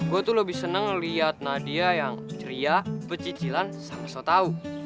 gue tuh lebih seneng liat nadia yang ceria pemcicilan sama sotau